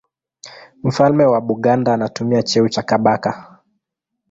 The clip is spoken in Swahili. Mfalme wa Buganda anatumia cheo cha Kabaka.